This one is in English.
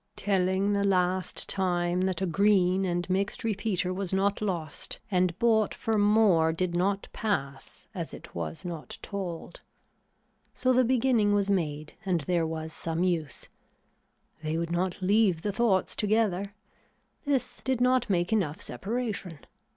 Telling the last time that a green and mixed repeater was not lost and bought for more did not pass as it was not told. So the beginning was made and there was some use. They would not leave the thoughts together. This did not make enough separation.